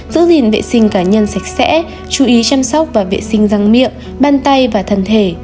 giữ gìn vệ sinh cá nhân sạch sẽ chú ý chăm sóc và vệ sinh răng miệng ban tay và thân thể